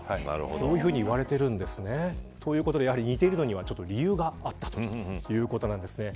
そういうふうにいわれているんですね。ということで似ているのには理由があったということなんですね。